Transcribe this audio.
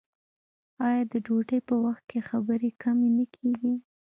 آیا د ډوډۍ په وخت کې خبرې کمې نه کیږي؟